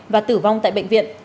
và tử vong tại bệnh viện